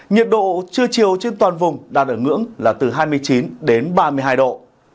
nhiệt độ trưa chiều trên toàn vùng đạt ở ngưỡng là từ hai mươi chín đến ba mươi hai độ